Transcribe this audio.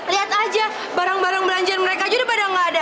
lihat aja barang barang belanjaan mereka aja udah pada nggak ada